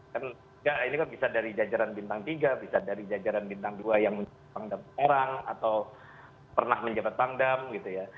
kan ini kan bisa dari jajaran bintang tiga bisa dari jajaran bintang dua yang menjadi pangdam orang atau pernah menjabat pangdam gitu ya